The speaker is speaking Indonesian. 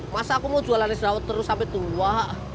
masa aku mau jualan es daun terus sampe tua